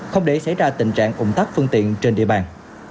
không để xảy ra tình trạng ủng tắc phương tiện trên địa bàn